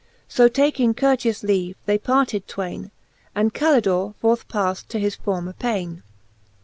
So taking courteous leave, they parted twayne. And Calidore forth pafled to his former payne.